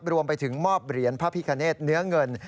รวมไปถึงมอบเหรียญพระพิคเนตเนื้อเงิน